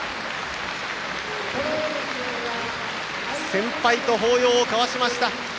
先輩と抱擁を交わしました。